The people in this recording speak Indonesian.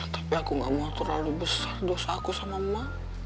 tapi aku gak mau terlalu besar dosaku sama ma